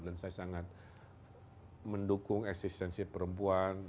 dan saya sangat mendukung eksistensi perempuan